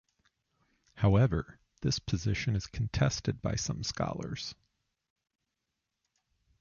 However, this position is contested by some scholars.